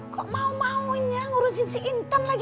kok mau maunya ngurusin si intan lagi